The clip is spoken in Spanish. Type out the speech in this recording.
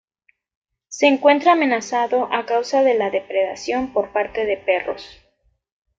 Se encuentra amenazado a causa de la depredación por parte de perros.